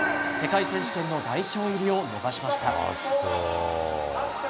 世界選手権の代表入りを逃しました。